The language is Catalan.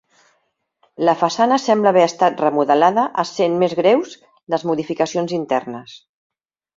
La façana sembla haver estat remodelada essent més greus les modificacions internes.